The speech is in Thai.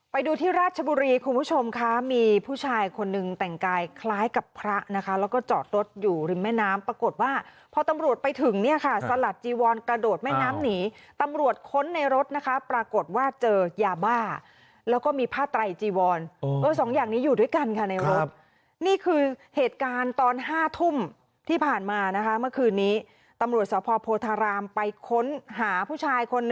ไปดูที่ราชบุรีคุณผู้ชมค่ะมีผู้ชายคนนึงแต่งกายคล้ายกับพระนะคะแล้วก็จอดรถอยู่ริมแม่น้ำปรากฏว่าพอตำรวจไปถึงเนี่ยค่ะสลัดจีวอนกระโดดแม่น้ำหนีตำรวจค้นในรถนะคะปรากฏว่าเจอยาบ้าแล้วก็มีผ้าไตรจีวรสองอย่างนี้อยู่ด้วยกันค่ะในรถนี่คือเหตุการณ์ตอน๕ทุ่มที่ผ่านมานะคะเมื่อคืนนี้ตำรวจสพโพธารามไปค้นหาผู้ชายคน